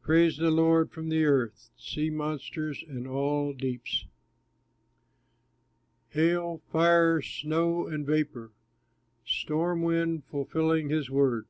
Praise the Lord from the earth, Sea monsters and all deeps! Fire, hail, snow, and vapor, Storm wind, fulfilling his word!